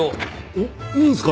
おっいいんすか？